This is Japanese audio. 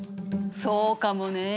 そうかもね。